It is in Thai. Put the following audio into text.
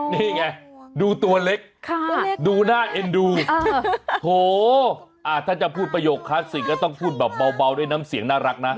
นี่ไงดูตัวเล็กตัวเล็กดูน่าเอ็นดูโถถ้าจะพูดประโยคคลาสสิกก็ต้องพูดแบบเบาด้วยน้ำเสียงน่ารักนะ